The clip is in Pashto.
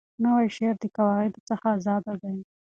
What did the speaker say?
نوی شعر د قواعدو څخه آزاده دی.